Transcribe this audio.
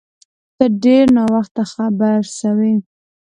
ته ډیر ناوخته خبر سوی